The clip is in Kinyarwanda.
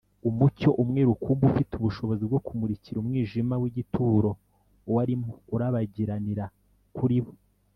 Umucyo umwe rukumbi ufite ubushobozi bwo kumurikira umwijima w’igituro warimo urabagiranira kuri bo.